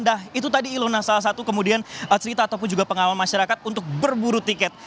nah itu tadi iluna salah satu kemudian cerita ataupun juga pengalaman masyarakat untuk berburu tiket